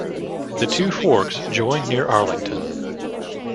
The two forks join near Arlington.